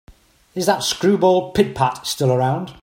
Is that screwball Pit-Pat still around?